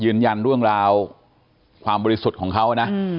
ยืนยันเรื่องราวความบริสุทธิ์ของเขานะ